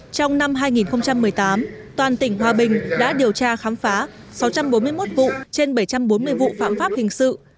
trong năm hai nghìn một mươi tám toàn tỉnh hòa bình đã điều tra khám phá sáu trăm bốn mươi một vụ trên bảy trăm bốn mươi vụ phạm pháp hình sự